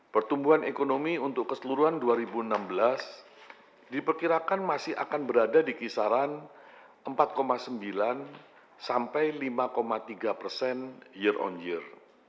pertumbuhan ekonomi untuk keseluruhan dua ribu enam belas diperkirakan masih akan berada di kisaran empat sembilan sampai lima tiga persen year on year